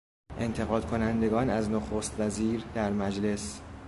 انتقاد کنندگان از نخستوزیر در مجلس